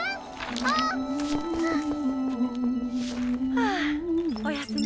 はあおやすみ。